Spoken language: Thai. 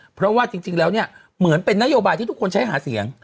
เพราะว่าจริงแล้วเนี่ยเหมือนเป็นนโยบายที่ทุกคนใช้หาเสียง